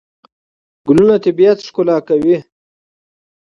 ګلونه طبیعت ښکلا کوي.